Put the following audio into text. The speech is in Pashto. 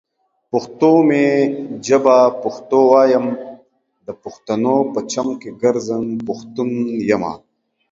پښتو می ژبه پښتو وايم، دا پښتنو په چم کې ګرځم ، پښتون يمه